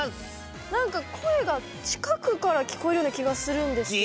何か声が近くから聞こえるような気がするんですけど。